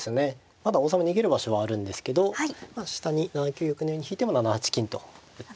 まだ王様逃げる場所はあるんですけど下に７九玉のように引いても７八金と打って。